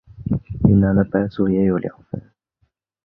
云南的白族也有凉粉。